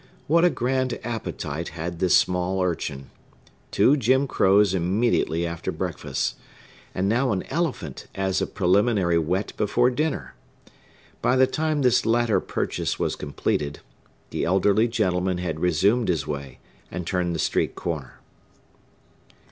What a grand appetite had this small urchin!—Two Jim Crows immediately after breakfast!—and now an elephant, as a preliminary whet before dinner. By the time this latter purchase was completed, the elderly gentleman had resumed his way, and turned the street corner.